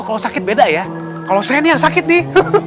kalau sakit beda ya kalau saya ini yang sakit nih